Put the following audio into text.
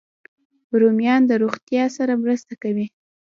رومیان د روغتیا سره مرسته کوي